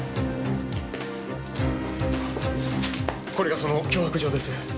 これがその脅迫状です。